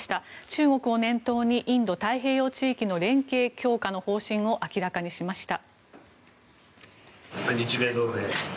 中国を念頭にインド太平洋地域の連携強化の方針を明らかにしました。